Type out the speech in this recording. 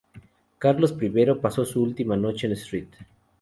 Carlos I pasó su última noche en St.